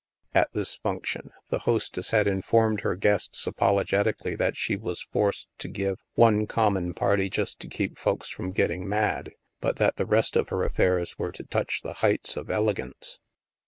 At this function, the hostess had in formed her guests apologetically that she was forced to give " one common party just to keep folks from getting mad," but that the rest of her affairs were to touch the heights of elegance.